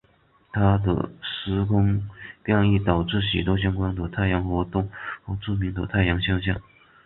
他的时空变异导致许多相关的太阳活动和著名的太阳现象。